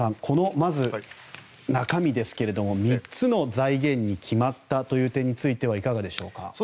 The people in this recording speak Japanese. まず、この中身ですが３つの財源に決まったという点についてはいかがでしょうか？